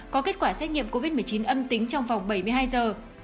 có kết quả xét nghiệm covid một mươi chín âm tính trong vòng bảy mươi hai giờ